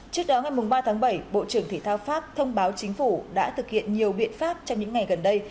trước đó ngày ba tháng bảy bộ trưởng thể thao pháp thông báo chính phủ đã thực hiện nhiều biện pháp trong những ngày gần đây